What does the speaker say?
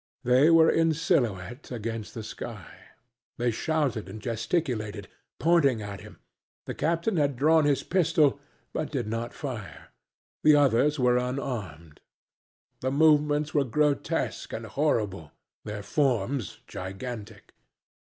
They were in silhouette against the blue sky. They shouted and gesticulated, pointing at him. The captain had drawn his pistol, but did not fire; the others were unarmed. Their movements were grotesque and horrible, their forms gigantic.